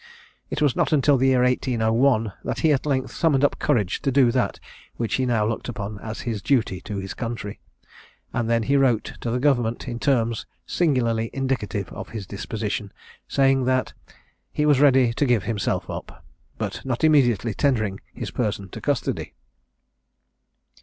It was not until the year 1801 that he at length summoned up courage to do that which he now looked upon as his duty to his country, and then he wrote to the Government in terms singularly indicative of his disposition, saving that "He was ready to give himself up," but not immediately tendering his person to custody.